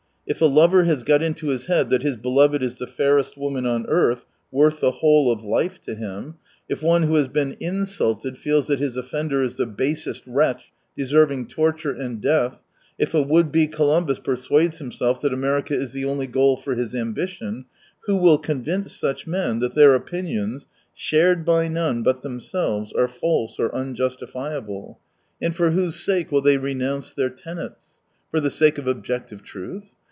If a lover has got into his head that his beloved is the fairest woman on earth, worth the whole of life to him ; if one who has been insulted feels that his offender is the basest wretch, deserving torture and death ; if a would be Columbus persuades himself that America is the only goal for his ambition — who will convince such men that their opinions, shared by none but themselves, are false or unjustifiable ? And 229 for whose sake will they renounce their tenets ? For the sake of objective truth